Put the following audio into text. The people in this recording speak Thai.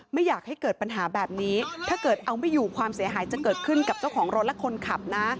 ไม่อยากให้เกิดปัญหาแบบนี้ถ้าเกิดเอาไม่อยู่ความเสียหายจะเกิดขึ้นกับเจ้าของรถและคนขับนะ